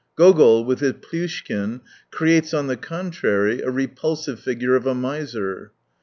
Gogol, with his Plyushkin, creates on the contrary a repulsive figure of a miser.